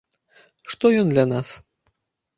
Што ён для нас?